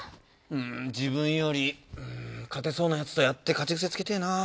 自分より勝てそうなヤツとやって勝ち癖つけてえなぁ。